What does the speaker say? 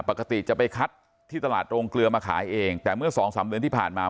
ปกติจะไปคัดที่ตลาดโรงเกลือมาขายเองแต่เมื่อสองสามเดือนที่ผ่านมา